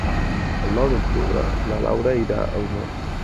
El nou d'octubre na Laura irà a Osor.